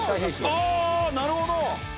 ああなるほど！